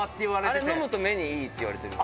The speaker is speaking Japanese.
あれ飲むと目にいいって言われてる。